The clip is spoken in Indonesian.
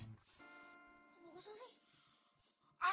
gak bisa sih